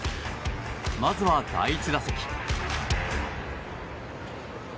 まずは、第１打席。